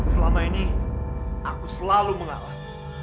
selama ini aku selalu mengalah